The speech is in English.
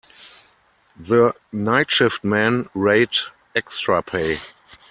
The night shift men rate extra pay.